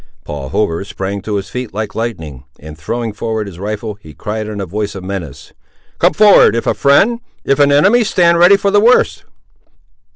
Paul Hover sprang to his feet like lightning; and, throwing forward his rifle, he cried in a voice of menace— "Come forward, if a friend; if an enemy, stand ready for the worst!"